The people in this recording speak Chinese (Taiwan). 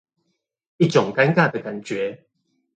一種尷尬的感覺